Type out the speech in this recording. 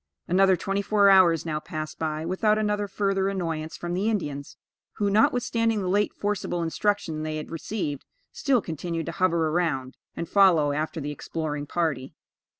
Another twenty four hours now passed by without any further annoyance from the Indians; who, notwithstanding the late forcible instruction they had received, still continued to hover around, and follow after the exploring party.